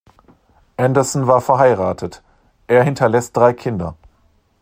Anderson war verheiratet; er hinterlässt drei Kinder.